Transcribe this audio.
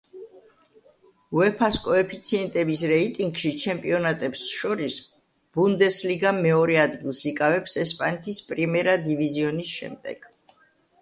უეფა-ს კოეფიციენტების რეიტინგში ჩემპიონატებს შორის, ბუნდესლიგა მეორე ადგილს იკავებს ესპანეთის პრიმერა დივიზიონის შემდეგ.